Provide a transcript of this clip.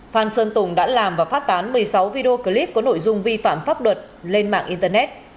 phan sơn tùng đã làm và phát tán một mươi sáu video clip có nội dung vi phạm pháp luật lên mạng internet